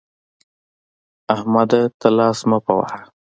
احمده! ته لاس مه په وهه.